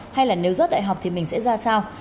hay là nếu rớt đại học thì mình sẽ ra sao